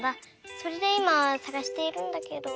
それでいまさがしているんだけど。